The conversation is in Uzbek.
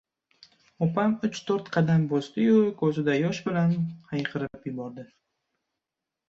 Opam uch-to‘rt qadam bosdi-yu, ko‘zida yosh bilan hayqirib yubordi: